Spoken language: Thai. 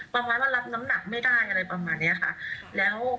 วันนั้นมันรับน้ำหนักไม่ได้อะไรประมาณนี้ค่ะ